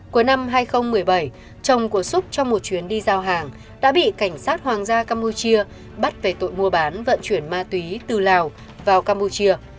cuối năm hai nghìn một mươi bảy chồng của xúc trong một chuyến đi giao hàng đã bị cảnh sát hoàng gia campuchia bắt về tội mua bán vận chuyển ma túy từ lào vào campuchia